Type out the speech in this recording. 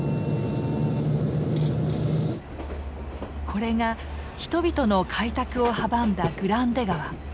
これが人々の開拓を阻んだグランデ川。